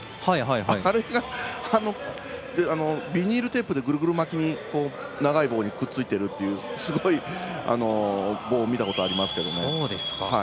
あれがビニールテープでぐるぐる巻きに長い棒にくっついてるというすごい棒を見たことありますけどね。